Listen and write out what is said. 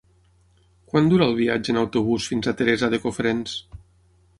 Quant dura el viatge en autobús fins a Teresa de Cofrents?